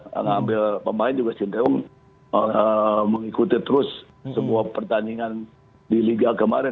mengambil pemain juga cenderung mengikuti terus sebuah pertandingan di liga kemarin